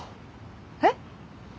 えっ？